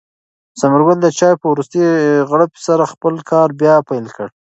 ثمر ګل د چای په وروستۍ غړپ سره خپل کار بیا پیل کړ.